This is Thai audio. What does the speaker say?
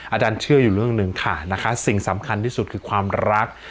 อาจารย์เชื่ออยู่เรื่องหนึ่งค่ะนะคะสิ่งสำคัญที่สุดคือความรัก